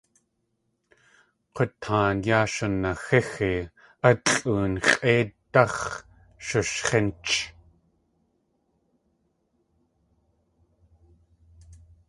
K̲utaan yaa shunaxíxi, alʼóon x̲ʼéidáx̲ shushx̲ínch.